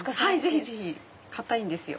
いいんですか？